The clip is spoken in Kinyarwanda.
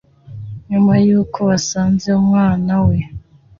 nyuma y’uko basanze umwana we